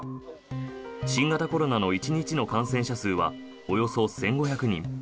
新型コロナの１日の感染者数はおよそ１５００人。